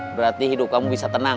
berarti hidup kamu bisa tenang